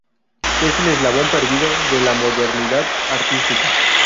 Es el eslabón perdido de la modernidad artística".